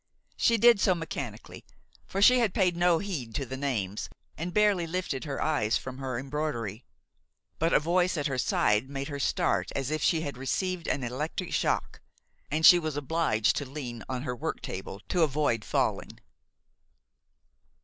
She did so mechanically, for she had paid no heed to the names, and barely lifted her eyes from her embroidery; but a voice at her side made her start as if she had received an electric shock, and she was obliged to lean on her worktable to avoid falling.